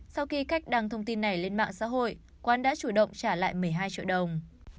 sau khi cách đăng thông tin này lên mạng xã hội quán đã chủ động trả lại một mươi hai triệu đồng